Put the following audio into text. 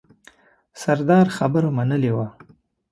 سردار خبره منلې وه.